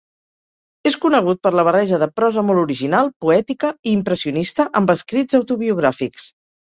És conegut per la barreja de prosa molt original, poètica i impressionista amb escrits autobiogràfics.